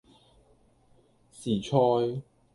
時菜